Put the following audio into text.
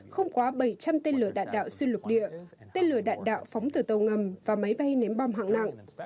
không quá bảy trăm linh tên lửa đạn đạo xuyên lục địa tên lửa đạn đạo phóng từ tàu ngầm và máy bay ném bom hạng nặng